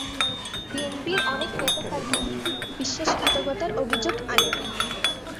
বিএনপির অনেক নেতা তার বিরুদ্ধে বিশ্বাসঘাতকতার অভিযোগ আনেন।